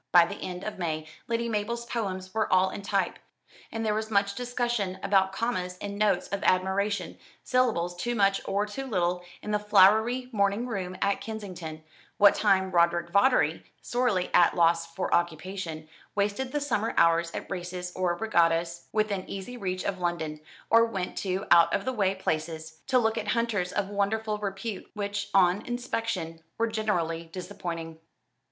By the end of May, Lady Mabel's poems were all in type, and there was much discussion about commas and notes of admiration, syllables too much or too little, in the flowery morning room at Kensington, what time Roderick Vawdrey sorely at a loss for occupation wasted the summer hours at races or regattas within easy reach of London, or went to out of the way places, to look at hunters of wonderful repute, which, on inspection, were generally disappointing.